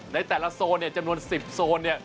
ในแต่ละโซนเนี่ยจำนวน๑๐โซนเนี่ย